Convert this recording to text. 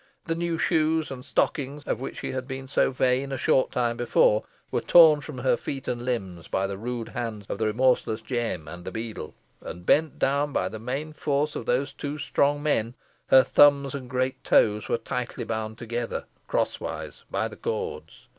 The new shoes and stockings of which she had been so vain a short time before, were torn from her feet and limbs by the rude hands of the remorseless Jem and the beadle, and bent down by the main force of these two strong men, her thumbs and great toes were tightly bound together, crosswise, by the cords.